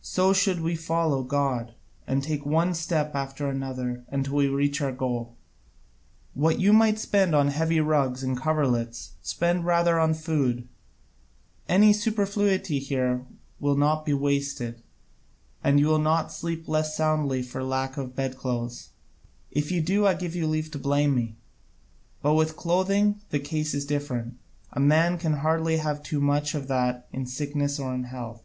So should we follow God, and take one step after another until we reach our goal. What you might spend on heavy rugs and coverlets spend rather on food: any superfluity there will not be wasted: and you will not sleep less soundly for lack of bedclothes; if you do, I give you leave to blame me. But with clothing the case is different: a man can hardly have too much of that in sickness or in health.